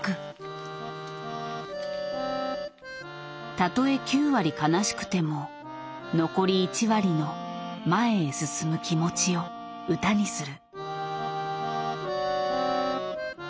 たとえ９割悲しくても残り１割の前へ進む気持ちを歌にする。